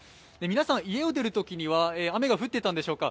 皆さん、家を出るときには雨が降っていたんでしょうか。